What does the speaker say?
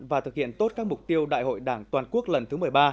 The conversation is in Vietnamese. và thực hiện tốt các mục tiêu đại hội đảng toàn quốc lần thứ một mươi ba